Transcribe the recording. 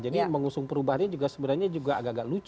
jadi mengusung perubahannya sebenarnya juga agak agak luas